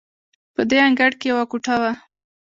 په دې انګړ کې یوه کوټه وه.